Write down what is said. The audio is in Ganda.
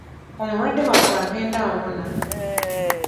Omulwadde waffe agenda awona.